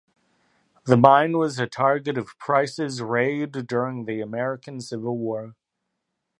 The mine was a target of Price's Raid during the American Civil War.